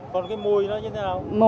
còn cái mùi nó như thế nào